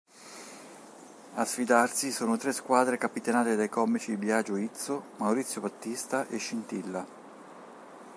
A sfidarsi sono tre squadre capitanate dai comici Biagio Izzo, Maurizio Battista e Scintilla.